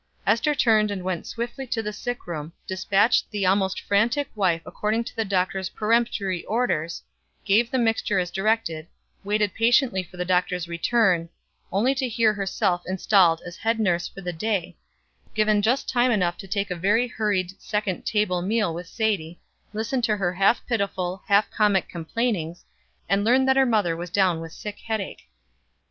Ester turned and went swiftly to the sick room, dispatched the almost frantic wife according to the doctor's peremptory orders, gave the mixture as directed, waited patiently for the doctor's return, only to hear herself installed as head nurse for the day; given just time enough to take a very hurried second table meal with Sadie, listen to her half pitiful, half comic complainings, and learn that her mother was down with sick headache.